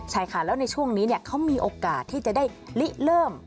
ใช่ค่ะแล้วในช่วงนี้เขามีโอกาสที่จะได้ลิเริ่ม